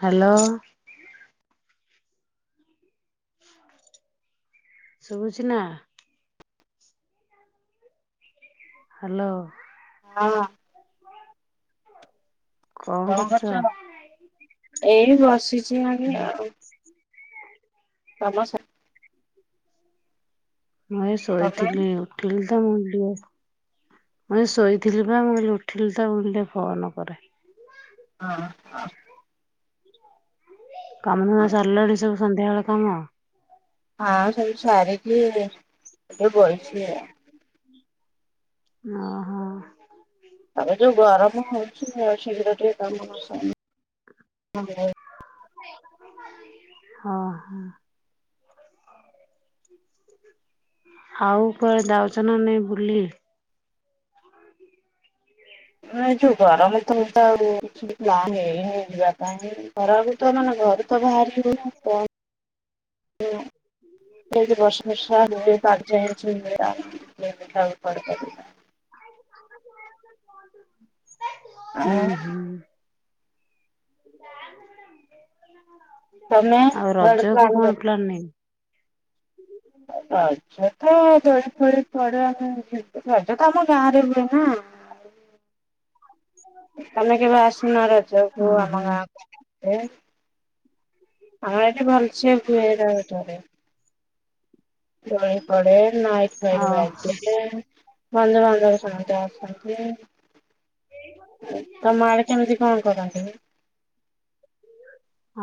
Hello. ଶୁଭୁଛି ନା? Hello. ହଁ। କଣ କରୁଛ? ଏଇ ବସିଛି ଆଗେ ଆଉ କାମ ସାର୍ ମୁଁ ତମେ ଶୋଇଥିଲି ଉଠିଲି ତ ଏବେ ମୁଇଁ ଶୋଇଥିଲି ବା ମୁଁ ଉଠିଲି ତା ବୁଲିଲେ ଫୋନ କରେ। ହଁ। କାମ ନୁ ସରିଲାଣି ସବୁ ସନ୍ଧ୍ୟାବେଳେ କାମ? ହଁ ସବୁ ସାରିଛି ଏ ବାଇଛି ଆଉ। ଓ ହୋ। ଆଉ ଜଉ ଗରମ ହଉଛି ଶୀଘ୍ର ଟିକେ କାମ ନ ସରିଲେ ହଁ ହ। ଆଉ କଣ ଯାଉଛ ନା ନାଇଁ ବୁଲି? ଏ ଯ ଗରମ ତଉ୍ ହେଇ ଖର ତ ମାନେ ଘରୁ ତ ବାହାରି ହେଉନି ଆଉ। [inaudible] ବର୍ଷ ବଷା ପା [unintelligible] [inaudible] ହୁଁ ଆଉ ହୁଁ। ତମେ ଆଉ କୁଆଡେ ରଜ କୁ ପ୍ଲାନ୍ କରିଛ? କଣ ପ୍ଲାନିଙ୍ଗି? [inaudible] ଆ୍ଛା ତ ଦୋଳି ଫଳି ପଡ ଆମେଛ ତ ଆମ ଗାଁ ରେ ହୁଏ ନା। ଆମେ କେବେ ଆସୁନ ଆମ ଉଁ ହୁଁ ଗାଁ କୁ। ଆମ ଏଇଟି ଭଲସେ ହୁଏ ରଜରେ। ଦଳି ପଡେ ମାଇ ବଜେ ଓ ବନ୍ଧୁବାନ୍ଧବ ସମସ୍ତେ ଆସନ୍ତି। ତମ ଆଡେ କେମିତି କଣ କରନ୍ତି?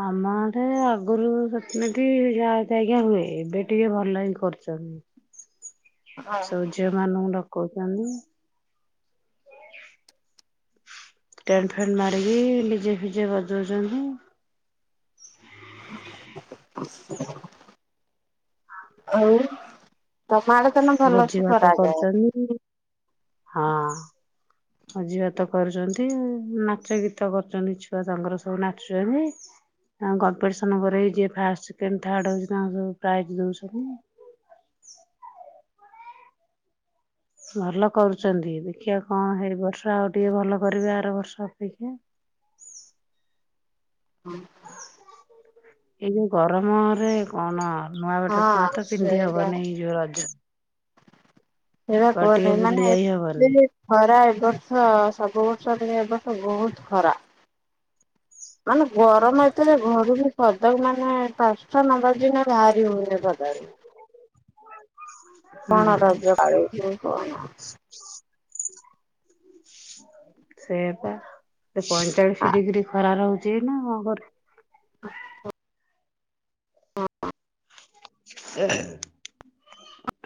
ଆମ ଆଡ଼େ ଆଗରୁ ସେଥିନଟି ଯାହା ଯଜ୍ଞା ହୁଏ ଏବେ ଟିକେ ଭଲ ହି କରୁଛନ୍ତି। ହଁ ସବୁ ଝିଅ ମାନଙ୍କୁ ଡକଉଛନ୍ତି। ଟେଣ୍ଟ ଫେଣ୍ଟ ମାରିକି ଡିଜେ ଫିଜେ ବଜଉଛନ୍ତି। ଆଉ ତମଆଡେ ତନ ଭୋଜି ଭଲସେ ଭାତ କରାଯାଏ। କରୁଛନ୍ତି ଭୋଜିଭାତ କରୁଛନ୍ତି ନାଚ ଗୀତ କରୁଛନ୍ତି ଛୁଆ ସାଙ୍ଗର ସବୁ ନାଚୁଛନ୍ତି। ଆଉ କମ୍ପିଟିସନ ପରେଇ ଯ ଫାଷ୍ଟ ସେକେଣ୍ଡ ଥାର୍ଡ ହଉଛି ତାଙ୍କ ସବୁ ପ୍ରାଇଜ ଦଉଛନ୍ତି। [inaudible] ଭଲ କରୁଛନ୍ତି ଦେଖିବା କଣ ହେଇ ବର୍ଷ ଆଉ ଟିକେ ଭଲ କରିବେ ଆର ବର୍ଷ ଅପେକ୍ଷା। [inaudible] ହଁ। ଏଇ ଯୋଉ ଗରମରେ କଣ ନୂଆ ବଟ ଖୁଆଁ ହଁ ତ ପିନ୍ଧି ସେଇଟା ହବନି ଏଇ ଯୋଉ ରଜ ସେଇଟ କୁଆଡେ ଟିକେ କ ବୁଲି ମାନେ ଯାଇ ହବନି ଏତେ ଖରା ଏବ ବର୍ଷ ସବୁ ବର୍ଷ ଏ ବର୍ଷ ବହୁତ ଖରା। ମାନେ ଗରମ ଏତେରେ ଘରୁ ବି ପଦାକୁ ମାନେ ପାଞ୍ଚଟା ନବ ଦିନ ବାହାରି ହଉନି। ପଦାକୁ। ହୁଁ କଣ ରଜ ପାଲୁଚୁ କଣ? ସେଆପା। ସେ ଆ ପଇଁଚାଳିଶ ଡିଗ୍ରୀ ଖରା ରହୁଛି ନା ଘରେ ଏ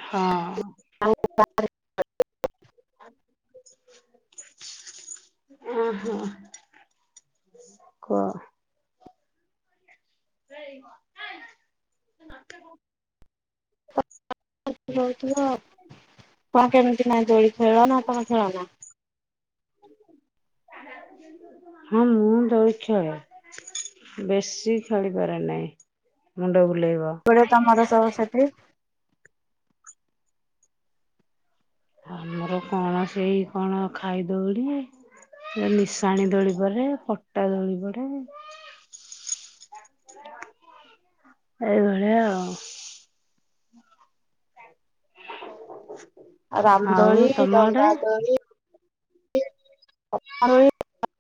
ହଁ। [unintelligible] ଓହୋ। କ [inaudible] ରହୁଥିବ କଣ କେମିତି ନା ଦୋଳି ଖେଳ ନା କଣ ଖେଳନା ହଁ ମୁଁ ଦୋଳି ଖେଳେ। ବେଶୀ ଖେଳିପାରେ ନାହିଁ ମୁଣ୍ଡ ବୁ ପଡେ ତମର ସବୁ ସେଠି। ଆମର କଣ ସେଇ କଣ ଖାଇଦଉ ଟିକେ ନିଶାଣି ଦୋଳିିପଡେ ପଟା ଦୋଳିିପଡେ। ଏଇଭଳିଆ ଆଉ। ହୁଁ। ରାମଦୋଳି ଗଙ୍ଗାଦୋଳି [unintelligible]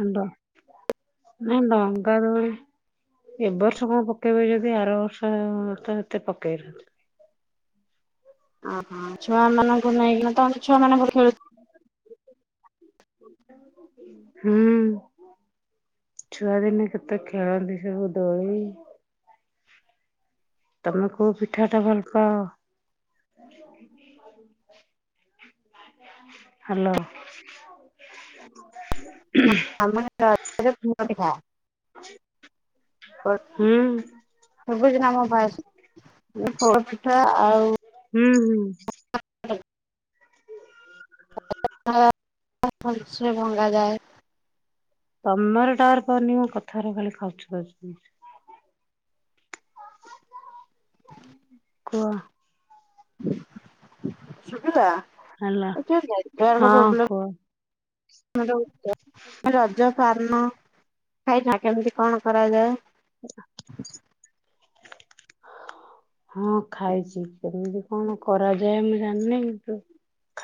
ହଣ୍ଡ ନାଇ ଡଙ୍ଗା ଦୋଳି ଏ ବର୍ଷ କଣ ପକେଇବେ ଯଦି ଆର ବର୍ଷ ତ ଏତେ ପକେଇନାହାଁନ୍ତି। ଆଁ ଆଁ ଛୁଆ ମାନଙ୍କୁ ନେଇକିନା ତ ଛୁଆ ମାନଙ୍କୁ ଖେଳୁ ହୁଁ। ଛୁଆଦିନ କେତେ ଖେଳନ୍ତି ସବୁ ଦୋଳି ତମେ କୋଉ ପିଠା ଟା ଭଲପାଅ? ହାଲୋ। [unintelligible] ହ ଖୋ ସବୁଜ ଆମ ପା ଖୋଳ ପିଠା ଆଉ ହୁଁ ହୁଁ। [unintelligible] [unintelligible] ଭଙ୍ଗାଯାଏ। ତମର ଟାୱାର ପାଉନିମ କଥାର ଖାଲି ଖଚ ଖଚ ସୁଭୁଛି। କୁଅ ସୁବିଲା ହାଲୋ। ଏ ଟିକେ ନେଟୱର୍କ ହଁ କୁହ। ପୋବ୍ଲେମ [unintelligible] ରଜ ପାରନ ଖାଇଛ କେମିତି କଣ କରାଯାଏ? [inaudible] ହଁ ଖାଇଛି କେମିତି କଣ କରାଯାଏ ମୁଁ ଜାଣିନି କିନ୍ତୁ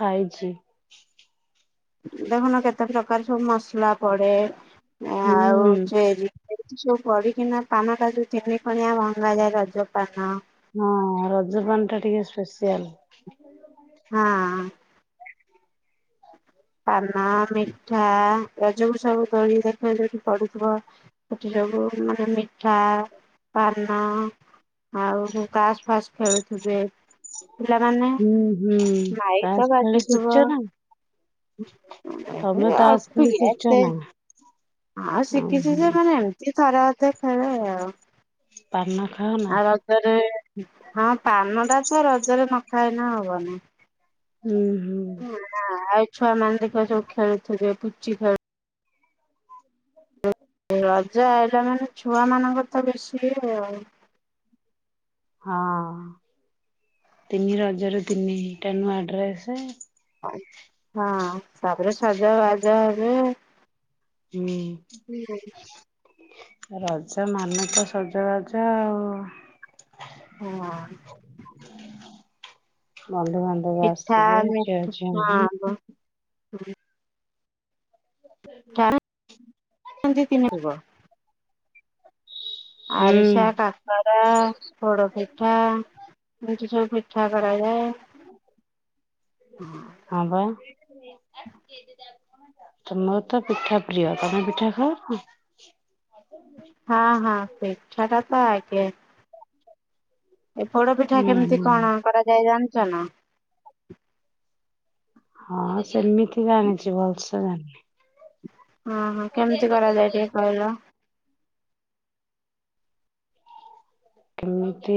ଖାଇଚି। ଦେଖୁନ କେତେ ପ୍ରକାର ସବୁ ମସଲା ପଡେ ଆଉ ହୁଁ ଚେରି ଏତି ସବୁ କରିକିନା ପାନଟା ଜଉ ତିନି କଣିଆ ଭାଙ୍ଗା ଯାଏ ରଜ ପାନ ହଁ ରଜପାନ ଟା ଟିକେ ସ୍ପେସିଆଲ। ହଁ। ପାନ ମିଠା ଏ ଯୋଉ ସବୁ [unintelligible] ଦେଖ ଯଠି ପଡୁଥିବ ସେଠୀ ସବୁ ମିଠା ପାନ ଆଉ ମୁ କାସ ଫାସ୍ ଖେଳୁଥିବେ। ପିଲାମାନେ ହୁଁ ହୁଁ ମାଇକ୍ ତାସ୍ ତ ଖେଳି ବାଜୁଥିବ। ଶିଖିଛ ନା ତମେ ତାସ୍ ଖେଳି ଶିଖିଛ ନା? [unintelligible] ହଁ ଶିଖିଛି ଓହୋ ଯେ ମାନେ ଏମିତି ଥରେ ଅଧେ ଖେଳେ ଆଉ। ପାନ ଖାଅ ନା ଆଉ ରଜରେ ହଁ ପାନ ଟା ତ ରଜରେ ନ ଖାଇନେ ହବନି। ହୁଁ ହୁଁ ହୁଁ ଆଉ ଛୁଆ ମାନେ ଦେଖିବା ସବୁ ଖେଳୁଥିବେ ପୁଚିଖେଳ। ରଜା ହେଲା ମାନେ ଛୁଆ ମାନଙ୍କର ତ ବେଶୀ ଇଏ ହଁ ତିନି ରଜ ରେ ତିନିଟା ଡ୍ରେସ ହଁ ତାପରେ ସଜ ବାଜ ହେବେ। ହୁଁ। ଠଛି ରଜ ମାନେ ତ ସଜବାଜ ଆଉ ହଁ। ବନ୍ଧୁବାନ୍ଧବ ପିଠା ଆସିବେ ମିଠ ହଁ [unintelligible] [unintelligible] ହୁଁ। ଆରିସା କାକରା ପୋଡ଼ପିଠା ଏଠି ସବୁ ମିିଠା କରାଯାଏ। ହଁ ବା। ତମର ତ ପିଠା ପ୍ରିୟ ତମେ ପିଠା ଖାଅ ନା? ହଁ ହଁ ପିଠା ଟା ତ ଆଗେ। ଏ ପୋଡ଼ପିଠା କେମିତି ହୁଁ କଣ କରାଯାଏ ଜାଣିଛ ନା? ହଁ ସେମିତି ଜାଣିଛି ଭଲସେ ଜାଣିିନି। ହଁ ହଁ କେମିତି କରାଯାଏ ଟିକେ କହିଲ? କେମିତି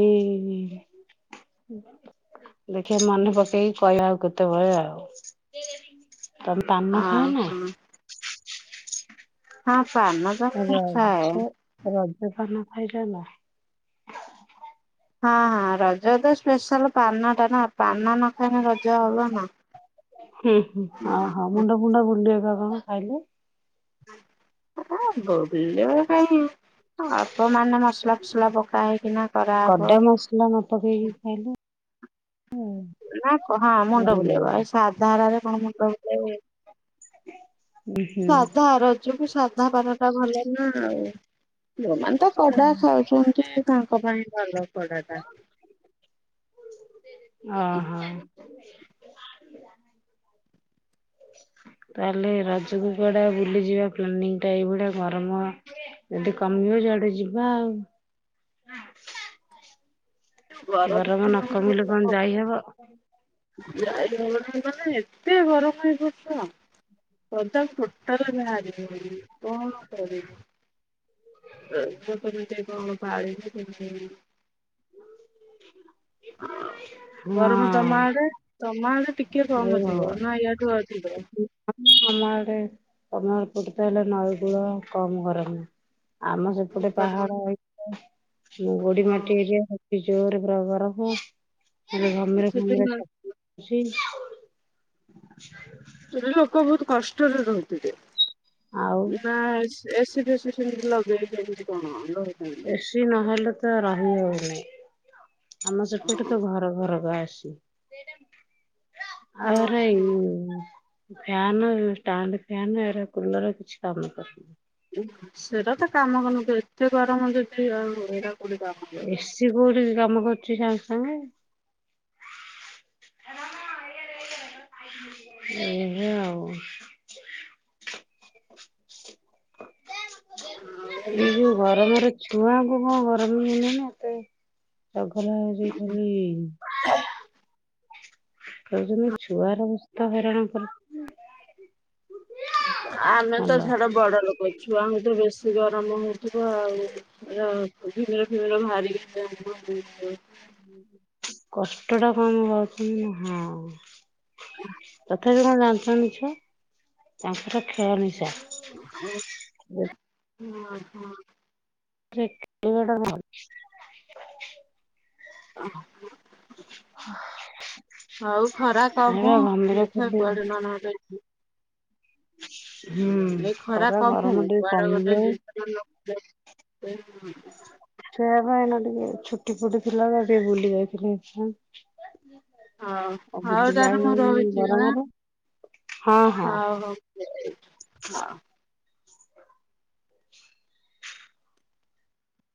ଦେଖିବା ମନେ ପକେଇକି କହିବା ଆଉ କେତେବେଳେ ଆଉ। ତମେ ପାନ ହଁ ଖାଅ ନା? ହଁ ହଁ। ପାନ ତ ମୁଁ ଖାଏ। ରଜ ରଜ ପାନ ଖାଇଲ ନା? ହଁ ରଜ ତ ହୁଁ ହୁଁ ଓହୋ ମୁଣ୍ଡ ଫୁଣ୍ଡ ବୁଲେ ପା କଣ ଖାଇଲେ? ଆ ବୁଲେଇବ କାଇଁ? ଅଳ୍ପ କରାହବ। କଡା ମ ନା କ ହଁ ମୁଣ୍ଡ ବୁଲେଇବ। ବୁଲେଇବନି। ଏ ସାଧାରେ କଣ ମୁଣ୍ଡ ବୁଲେଇବ? ଉଁ ହୁଁ ସାଧା ରଜକୁ ସାଧାପାନ ଟା ଭଲ ନା ଆଉ। ଯୋଉଁମାନେ ତ କଡ଼ା ଓ ହୋ। ତାହେଲେ ରଜକୁ କୁଆଡ଼େ ବୁଲିଯିବା ପ୍ଲାନିଂ ଟା? ଏଇଭଳିଆ ଗରମ ଯଦି କମିବ ଯୁଆଡେ ଯିବା ଆଉ। ଗରମ ଦିନ ନ କମିଲେ ମାନଙ୍କରେ କଣ ଯାଇହବ? ଯାଇହବନି ମାନେ ଏତେ ଗରମ ଏଇ ବର୍ଷ, ପଦାକୁ ଟୋ ଟାଲ ବାହାରି ହଉନି। କଣ କରିବି। ରଜ କେମିତି କଣ ପାଳିଲେ କେମିତି? ଅ ହଁ। ଗରମ ତମ ଆଡ଼େ ତମ ଆଡ଼େ। ଟିକେ ଏ କମଥିବ। ଭଗବାନ। ନା ୟାଠୁ ଅଧିକ? ସେଠି ତା ହେଲେ ନଈ କୂଳ କମ ଗରମ। ଆମ ସେପଟେ ପାହାଡ଼, ସେଇଥିପାଇଁ ଗୋଡି ହଁ ମାଟି ଏରିଆ। ଏଠି ଜୋର ପୁରା ଗରମ ।ଏବେ ଘମିର ସେଠି ଫମିର ସବୁ ଉଠୁଚି। ସେଠି ଲୋକ ବହୁତ କଷ୍ଟରେ ରହୁଥିବେ। ଆଉ ନା ଏସି ଫେସିି ସେମିତି ଲଗେଇ ସେମିତି କଣ? ରହୁଛନ୍ତି ଏସିି ନହେଲେ ତ ରହି ହଉନି। ଆମ ସେପଟେ ହଁ ତ ଘର ଘର କା ଏସି। ଆରେ ହଁ ଉଁ। ଫ୍ୟାନ ଷ୍ଟାଣ୍ଡ ଫ୍ୟାନ ଏରା କୁଲର କିଛି କାମ କରୁନି। ସେଇଟା ତ କାମ କୁ ନୁହେଁ ଏତେ ଗରମ ଯଦି ଆଉ ଏରା। ଏ ସିି କୋଉଠି ବି କାମ କ ରୁଚି ସାଙ୍ଗେ ସାଙ୍ଗେ। ଏଇ ବା ଆଉ। ଆଉ ଏ ଯୋଉ ଗରମରେ ଛୁଆଙ୍କୁ କଣ ଗରମ ହଉନି ଏତେ। ଚଗଲା ହଉଚି ଖାଲି। ଖେଳୁଛନ୍ତି ଛୁଆ ଗରା ବେଶି ତ ହଇରାଣ କରୁ। [unintelligible] ଆମେ ତ ହେଲା ଛାଡ଼ ବଡ ଲୋକ ଛୁଆ ଙ୍କୁ ତ ବେଶି ଗରମ ହଉଥିବ ଆଉ ଏରା ଘିମିର ଫିମିର ବାହାରିକି। [inaudible] କଷ୍ଟ ଟା କମ ପାଉଛନ୍ତି ନା ହଁ ତ ତଥାପି କଣ ଜାଣୁଛନ୍ତି ଛୁଆ ତାଙ୍କର ଖେଳ ନିଶା। ଆଉ ହଁ ହଁ। ତାପରେ ଖେଳିବା ଟା କଣ। ଅ ହଁ। ହ। ହଉ ଖରା କମୁ ଘମିର ଦେଖିବା ଖେଳି କୁଆଡେ ନହେନେ ଗୋଟେ ହୁଁ ଏ ଖରା କମୁ ଗରମ ଟିକେ କୁଆଡେ ଗୋଟେ କମିଯାଉ ଯିବା। [unintelligible] ଏ ଏ ହଁ। ସେୟା ପା ନହେନେ ଟିକେ ଛୁଟି ଫୁଟି ଥିଲା ବା ଟିକେ ବୁଲି ଯାଇଥିଲେ ହଁ। ହଉ ଆଉ ହଉ ବୁଲି ତାହେଲେ ମୁଁ ଯାଇନି ଗରମରେ। ହଁ ହଉ ହଉ।